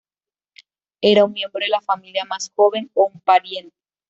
Era un miembro de la familia más joven o un pariente.